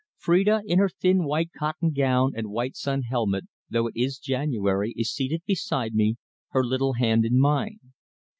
Phrida, in her thin white cotton gown and white sun helmet, though it is January, is seated beside me, her little hand in mine.